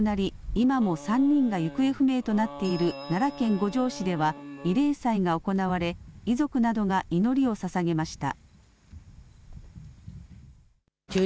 今も３人が行方不明となっている奈良県五條市では慰霊祭が行われ遺族などが祈りをささげました。